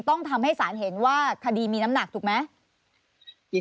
ต้องทำให้สารเห็นว่าคดีมีน้ำหนักถูกไหม